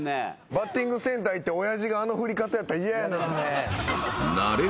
バッティングセンター行って親父があの振り方やったら嫌やな。